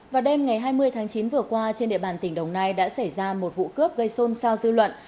vào đêm ngày hai mươi tháng chín vừa qua trên địa bàn tỉnh đồng nai đã xảy ra một vụ cướp gây xôn xao dư luận